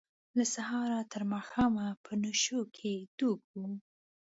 له سهاره تر ماښامه په نشو کې ډوب وه.